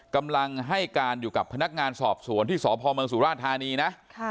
กำลังให้การอยู่กับพนักงานสอบสวนที่สพเมืองสุราธานีนะ